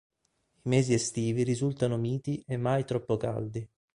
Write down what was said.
I mesi estivi risultano miti e mai troppo caldi.